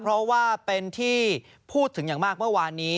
เพราะว่าเป็นที่พูดถึงอย่างมากเมื่อวานนี้